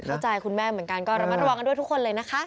คุณแม่เหมือนกันก็ระมัดระวังกันด้วยทุกคนเลยนะคะ